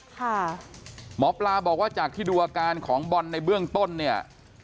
หมอปลาบอกว่าจากที่ดูอาการของบอลในเบื้องต้นเนี่ย